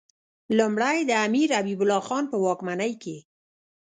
لومړی د امیر حبیب الله خان په واکمنۍ کې.